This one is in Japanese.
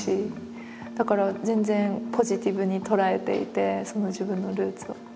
だから全然ポジティブに捉えていて自分のルーツを。